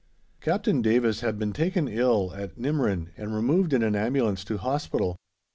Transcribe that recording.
Captain Davis had been taken ill at Nimrin, and removed in an ambulance to hospital.